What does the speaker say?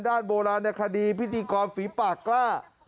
ด้านโบราณราคดีพิธีกรฝีปากล้า